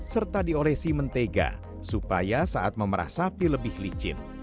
serta dioresi mentega supaya saat memerah sapi lebih licin